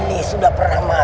jadi dil generasi